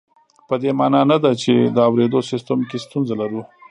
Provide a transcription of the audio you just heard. په دې مانا نه ده چې د اورېدو سیستم کې ستونزه لرو